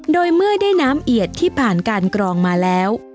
โดยเมื่อได้น้ำเอียดที่ผ่านการกรองมาแล้ว